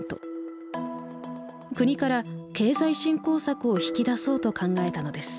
国から経済振興策を引き出そうと考えたのです。